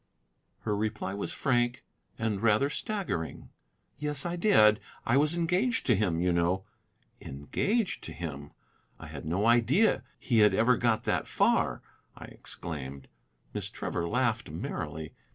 Her reply was frank and rather staggering. "Yes, I did. I was engaged to him, you know." "Engaged to him! I had no idea he ever got that far," I exclaimed. Miss Trevor laughed merrily.